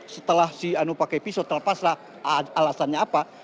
setelah si anu pakai pisau terlepas lah alasannya apa